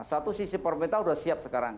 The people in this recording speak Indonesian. satu sisi pemerintah sudah siap sekarang